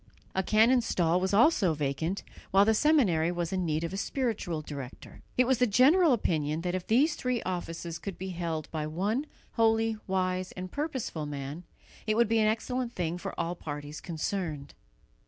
A canon's stall was also vacant, while the seminary was in need of a spiritual director. It was the general opinion that if these three offices could be held by one holy, wise and purposeful man, it would be an excellent thing for all parties concerned.